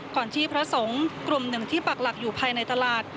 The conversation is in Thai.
ที่พระสงฆ์กลุ่มหนึ่งที่ปักหลักอยู่ภายในตลาด